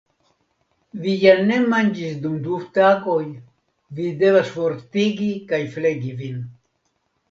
Vi ja ne manĝis dum du tagoj; vi devas fortigi kaj flegi vin